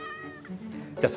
あ。